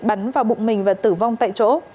thắng đã bụng mình và tử vong tại chỗ